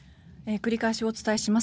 繰り返しお伝えします。